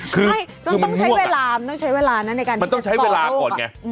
คือมันง่วงอะค่ะมันต้องใช้เวลาในการที่จะต่อค่ะให้ผมดลา